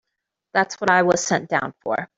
That's what I was sent down for.